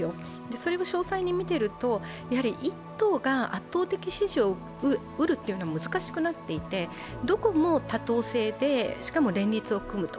それを詳細に見ていると、１党が圧倒的支持を得るのが難しくなっていてどこも多党制でしかも連立を組むと。